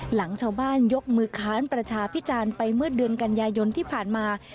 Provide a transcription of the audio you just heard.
หลังชาวบ้านยกมือค้านประชาพิจารณ์ไปเมื่อเดือนกันยายนที่ผ่านมา